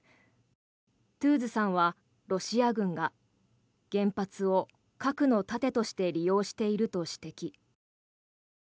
トゥーズさんはロシア軍が原発を核の盾として利用していると指摘。